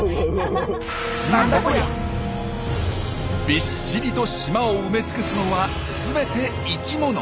びっしりと島を埋めつくすのは全て生きもの。